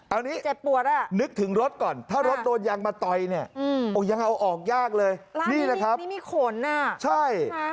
อันนี้นึกถึงรถก่อนถ้ารถโดนยางมาตอยเนี่ยยังเอาออกยากเลยนี่นะครับใช่